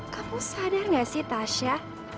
kamu sadar gak sih tasya